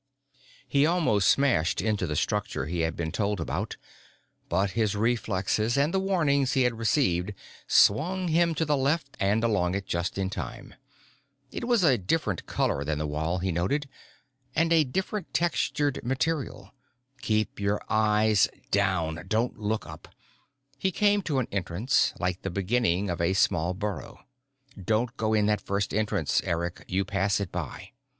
_ He almost smashed into the structure he had been told about, but his reflexes and the warnings he had received swung him to the left and along it just in time. It was a different color than the wall, he noted, and a different textured material. Keep your eyes down. Don't look up. He came to an entrance, like the beginning of a small burrow. _Don't go in that first entrance, Eric; you pass it by.